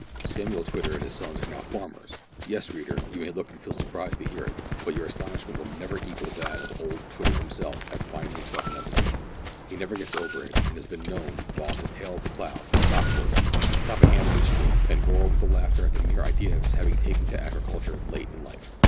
Samuel Twitter and his sons are now farmers! Yes, reader, you may look and feel surprised to hear it, but your astonishment will never equal that of old Twitter himself at finding himself in that position. He never gets over it, and has been known, while at the tail of the plough, to stop work, clap a hand on each knee, and roar with laughter at the mere idea of his having taken to agriculture late in life!